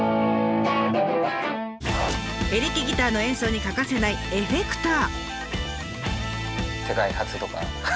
エレキギターの演奏に欠かせないエフェクター。